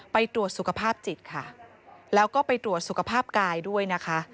ไปตรวจสุขภาพจิตค่ะแล้วก็ไปตรวจสุขภาพกายด้วยนะคะ